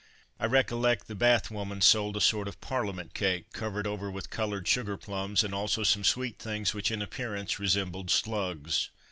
I recollect the bath woman sold a sort of parliament cake, covered over with coloured sugar plums, and also some sweet things which in appearance resembled slugs.